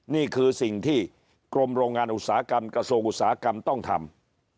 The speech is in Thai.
นี่คือสิ่งที่กรมโรงงานอุตสาหกรรมกระทรวงอุตสาหกรรมต้องทำ